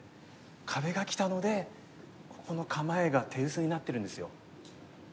壁がきたのでここの構えが手薄になってるんですよ。